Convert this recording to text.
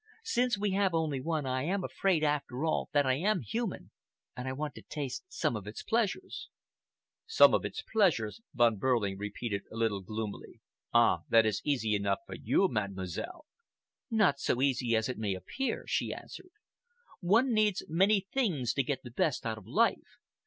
Since we have only one, I am afraid, after all, that I am human, and I want to taste some of its pleasures." "Some of its pleasures," Von Behrling repeated, a little gloomily. "Ah, that is easy enough for you, Mademoiselle!" "Not so easy as it may appear," she answered. "One needs many things to get the best out of life.